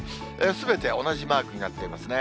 すべて同じマークになっていますね。